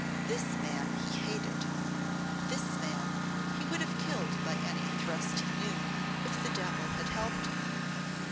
This man he hated, this man he would have killed by any thrust he knew, if the devil had helped him.